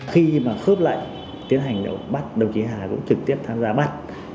khi mà khớp lại tiến hành bắt đồng chí hà cũng trực tiếp tham gia bắt